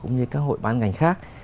cũng như các hội bán ngành khác